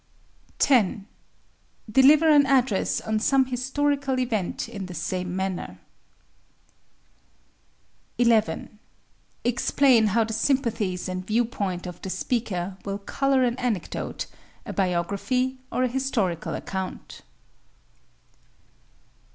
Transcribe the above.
10. Deliver an address on some historical event in the same manner. 11. Explain how the sympathies and viewpoint of the speaker will color an anecdote, a biography, or a historical account.